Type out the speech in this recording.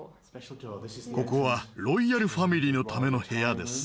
ここはロイヤルファミリーのための部屋です。